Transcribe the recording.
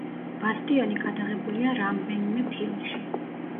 ბასტიონი გადაღებულია რამვენიმე ფილმში.